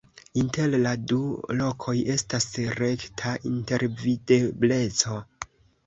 Inter la du lokoj estas rekta intervidebleco.